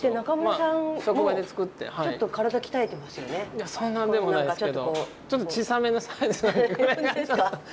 いやそんなんでもないですけど。